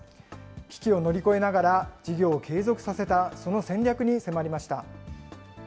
危機を乗り越えながら、企業を継続させたその戦略に迫りました。